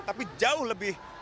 tapi jauh lebih